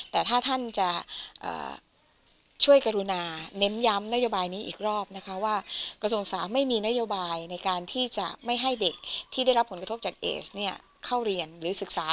แต่ถ้าท่านจะเอ่อช่วยกรุณาเน้นย้ำนโยบายนี้อีกรอบนะคะว่า